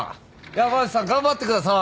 山内さん頑張ってください。